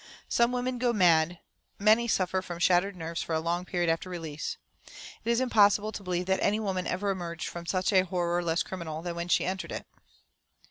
Some women go mad. Many suffer from shattered nerves for a long period after release. It is impossible to believe that any woman ever emerged from such a horror less criminal than when she entered it.